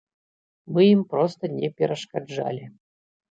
Мы ім проста не перашкаджалі.